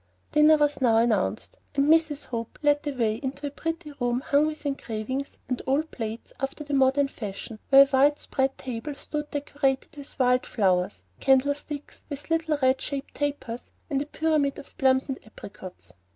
Dinner was now announced, and Mrs. Hope led the way into a pretty room hung with engravings and old plates after the modern fashion, where a white spread table stood decorated with wild flowers, candle sticks with little red shaded tapers, and a pyramid of plums and apricots.